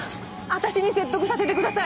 私に説得させてください！